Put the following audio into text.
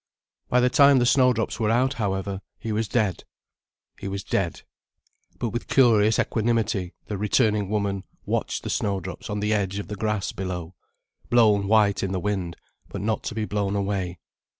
By the time the snowdrops were out, however, he was dead. He was dead. But with curious equanimity the returning woman watched the snowdrops on the edge of the grass below, blown white in the wind, but not to be blown away.